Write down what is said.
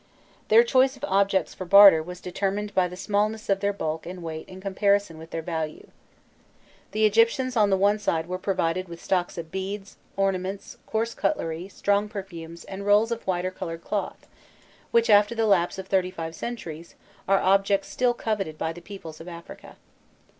Their choice of objects for barter was determined by the smallness of their bulk and weight in comparison with their value. The Egyptians on the one side were provided with stocks of beads, ornaments, coarse cutlery, strong perfumes, and rolls of white or coloured cloth, which, after the lapse of thirty five centuries, are objects still coveted by the peoples of Africa.